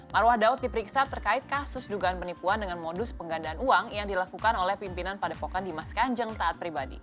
marwah daud diperiksa terkait kasus dugaan penipuan dengan modus penggandaan uang yang dilakukan oleh pimpinan padepokan dimas kanjeng taat pribadi